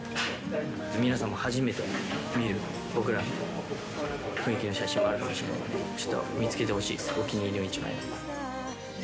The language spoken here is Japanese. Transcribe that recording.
皆さんも初めて見る僕らの雰囲気の写真もあるかもしれないので、ちょっと見つけてほしいです、お気に入りの１枚を。